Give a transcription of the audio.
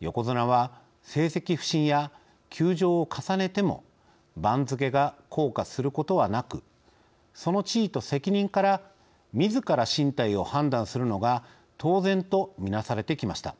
横綱は成績不振や休場を重ねても番付が降下することはなくその地位と責任から自ら進退を判断するのが当然とみなされてきました。